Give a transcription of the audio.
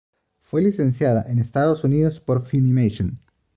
Fue licenciada en Estados Unidos por Funimation.